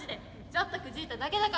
ちょっとくじいただけだから。